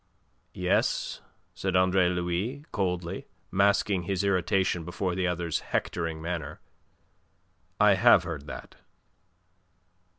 "Yes," said Andre Louis coldly, masking his irritation before the other's hectoring manner. "I have heard that."